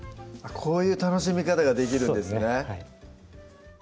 こういう楽しみ方ができるんですね